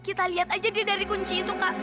kita lihat aja dia dari kunci itu kak